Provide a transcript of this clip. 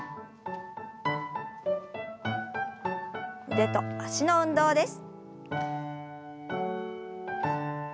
腕と脚の運動です。